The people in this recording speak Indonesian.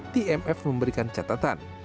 tmf memberikan catatan